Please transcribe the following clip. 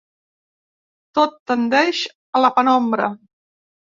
Tot tendeix a la penombra.